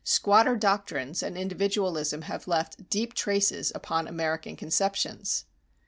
Squatter doctrines and individualism have left deep traces upon American conceptions.